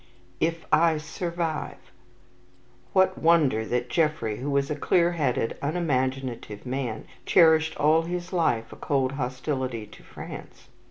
"If I survive!" What wonder that Jeffrey, who was a clear headed, unimaginative man, cherished all his life a cold hostility to France?